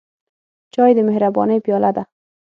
چای د مهربانۍ پیاله ده.